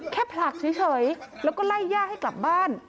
ผลักเฉยแล้วก็ไล่ย่าให้กลับบ้าน